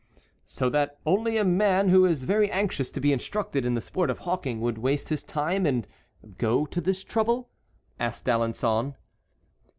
"So that only a man who is very anxious to be instructed in the sport of hawking would waste his time and go to this trouble?" asked D'Alençon.